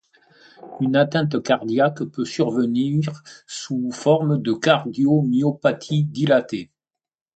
Une atteinte cardiaque peut survenir sous forme de cardiomyopathie dilatée.